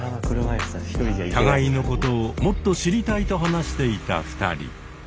互いのことをもっと知りたいと話していた２人。